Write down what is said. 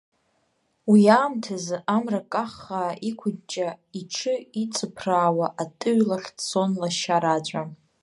Уи аамҭазы амра каххаа иқәыҷҷа, иҽы иҵыԥраауа Атыҩ лахь дцон лашьа Раҵәа.